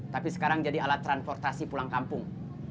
tapi sekarang jadi alat transportasi pulang kampung